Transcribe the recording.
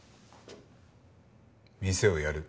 店をやる。